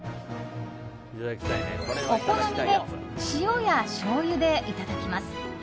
お好みで、塩やしょうゆでいただきます。